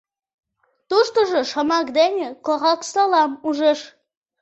«Туштыжо» шомак дене Кораксолам ужеш.